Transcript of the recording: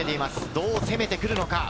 どう攻めてくるのか。